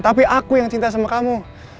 tapi aku yang cinta sama kamu